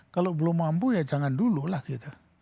kalau belum mampu ya jangan dulu lah gitu